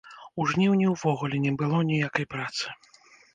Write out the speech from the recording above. У жніўні ўвогуле не было ніякай працы.